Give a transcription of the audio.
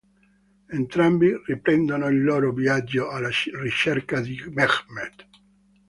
Entrambi riprendono il loro viaggio alla ricerca di Mehmet.